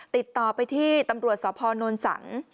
ติดต่อไปที่ตำรวจสอบพอร์โนรสัง